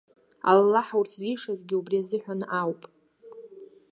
Аллаҳ урҭ зишазгьы убри азыҳәан ауп.